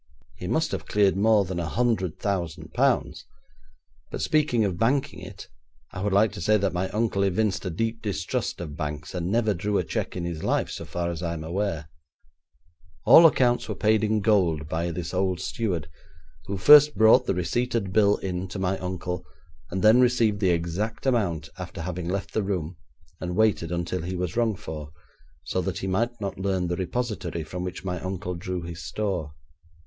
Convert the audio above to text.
'He must have cleared more than a hundred thousand pounds, but speaking of banking it, I would like to say that my uncle evinced a deep distrust of banks, and never drew a cheque in his life so far as I am aware. All accounts were paid in gold by this old steward, who first brought the receipted bill in to my uncle, and then received the exact amount, after having left the room, and waited until he was rung for, so that he might not learn the repository from which my uncle drew his store.